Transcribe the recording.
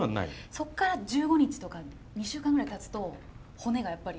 そっから１５日とか２週間ぐらいたつと骨がやっぱり。